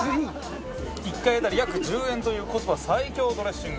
１回当たり約１０円というコスパ最強ドレッシング。